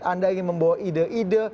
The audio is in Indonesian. anda ingin membawa ide ide